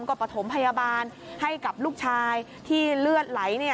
ก็ประถมพยาบาลให้กับลูกชายที่เลือดไหล